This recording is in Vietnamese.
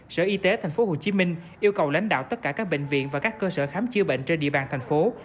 sở y tế tp hcm yêu cầu lãnh đạo tất cả các bệnh viện và các cơ sở khám chí bệnh trên địa bàn tp hcm